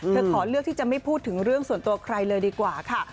ขอเลือกที่จะไม่พูดถึงเรื่องส่วนตัวใครเลยดีกว่าค่ะ